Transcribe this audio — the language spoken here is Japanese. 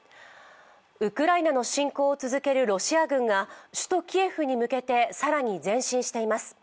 ウクライナの侵攻を続けるロシア軍が首都キエフに向けて更に前進しています。